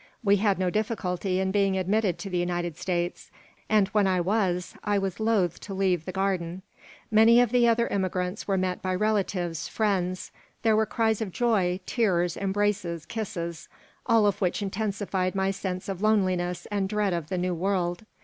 We had no difficulty in being admitted to the United States, and when I was I was loath to leave the Garden Many of the other immigrants were met by relatives, friends. There were cries of joy, tears, embraces, kisses. All of which intensified my sense of loneliness and dread of the New World.